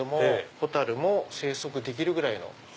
ホタルも生息できるぐらいの。